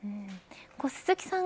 鈴木さん